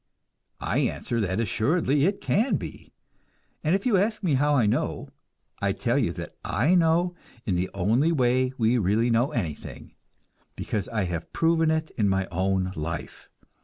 I answer that assuredly it can be, and if you ask me how I know, I tell you that I know in the only way we really know anything because I have proven it in my own life.